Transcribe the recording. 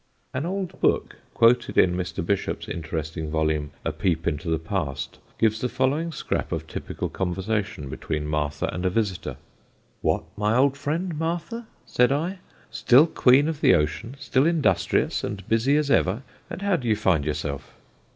An old book, quoted in Mr. Bishop's interesting volume A Peep into the Past, gives the following scrap of typical conversation between Martha and a visitor: "'What, my old friend, Martha,' said I, 'still queen of the ocean, still industrious, and busy as ever; and how do you find yourself'?